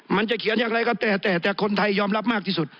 มันจะเขียนอย่างไรก็แต่แต่คนไทยยอมรับมากที่สุด